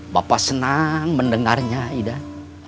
bapak senang mendengarnya idan